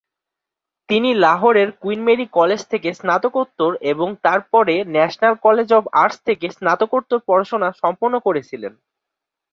তিনি লাহোরের Queen Mary College থেকে স্নাতকোত্তর এবং তারপরে ন্যাশনাল কলেজ অব আর্টস থেকে স্নাতকোত্তর পড়াশোনা সম্পন্ন করেছিলেন।